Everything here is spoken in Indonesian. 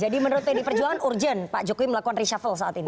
jadi menurut pdi perjuangan urgent pak jokowi melakukan reshuffle saat ini